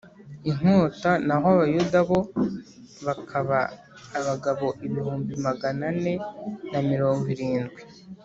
Inkota naho abayuda bo bakaba abagabo ibihumbi magana ane na mirongo irindwi